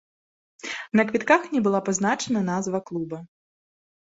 На квітках не была пазначана назва клуба.